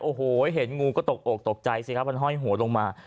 โอ้โหเห็นงูก็ตกอกตกใจสิครับมันห้อยหัวลงมา